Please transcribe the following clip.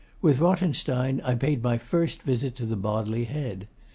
With Rothenstein I paid my first visit to the Bodley Head.